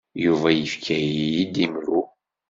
Yuba yefka-iyi-d imru.